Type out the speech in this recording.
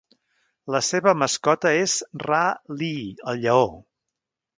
La seva mascota és Rah-Lee el Lleó.